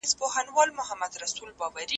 هغه خواړه چې بد بوی لري مه کاروئ.